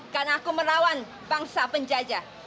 karena aku melawan bangsa penjajah